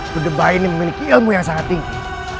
kudebai ini memiliki ilmu yang sangat tinggi